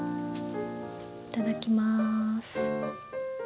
いただきます。